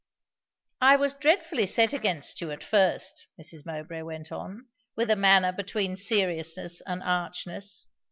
"I was dreadfully set against you at first," Mrs. Mowbray went on, with a manner between seriousness and archness.